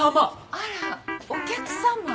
あらお客様？